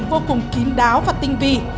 vô cùng kín đáo và tinh vi